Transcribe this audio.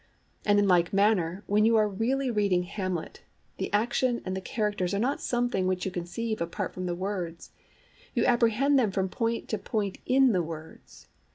And in like manner when you are really reading Hamlet, the action and the characters are not something which you conceive apart from the words; you apprehend them from point to point in the words.